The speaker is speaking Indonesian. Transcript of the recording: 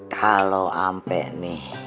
kalau ampe nih